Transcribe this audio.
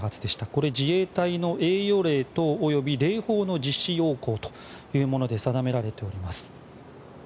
これは自衛隊の栄誉礼等及び礼砲の実施要綱というもので定められております。